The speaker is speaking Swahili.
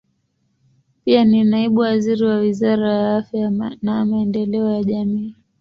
Pia ni naibu waziri wa Wizara ya Afya na Maendeleo ya Jamii.